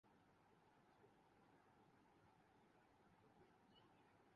کیونکہ اس عمل کے بڑے ٹارگٹ وہی ہیں۔